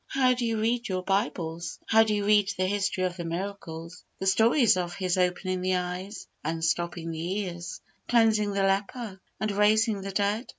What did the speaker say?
How do you read your Bibles? How do you read the history of the miracles the stories of His opening the eyes, unstopping the ears, cleansing the leper, and raising the dead?